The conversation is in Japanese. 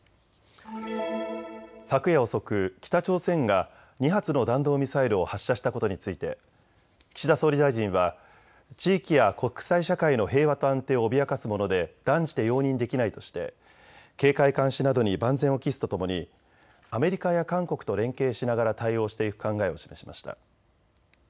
昨夜遅く北朝鮮が２発の弾道ミサイルを発射したことについて岸田総理大臣は地域や国際社会の平和と安定を脅かすもので断じて容認できないとして警戒監視などに万全を期すとともにアメリカや韓国と連携しながら対応していく考えを示しました。